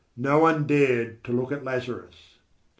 No one dared to look at Lazarus.